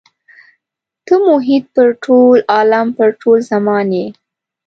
ته محیط پر ټول عالم پر ټول زمان یې.